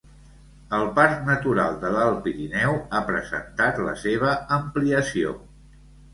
El Parc Natural de l'Alt Pirineu ha presentat la seva ampliació.